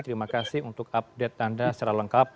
terima kasih untuk update anda secara lengkap